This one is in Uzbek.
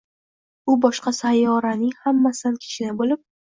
U boshqa sayyoralaming hammasidan kichkina bo‘lib